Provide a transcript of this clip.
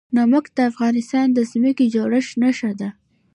نمک د افغانستان د ځمکې د جوړښت نښه ده.